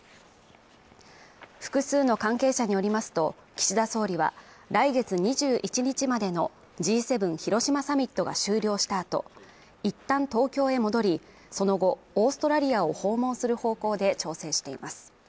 複数の関係者によりますと、岸田総理は来月２１日までのＧ７広島サミットが終了した後、いったん東京へ戻り、その後、オーストラリアを訪問する方向で調整しています。